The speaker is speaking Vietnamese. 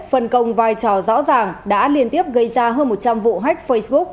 phân công vai trò rõ ràng đã liên tiếp gây ra hơn một trăm linh vụ hách facebook